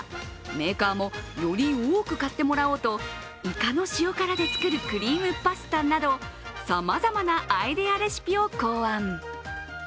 メーカーもより多く買ってもらおうといかの塩辛で作るクリームパスタなどさまざまなアイデアレシピを考案。